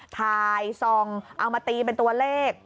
ซองเอามาตีเป็นตัวเลข